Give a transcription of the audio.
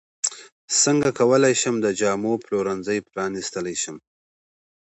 څنګه کولی شم د جامو پلورنځی پرانستلی شم